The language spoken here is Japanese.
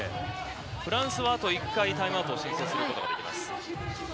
フランスはあと１回タイムアウトを申請することができます。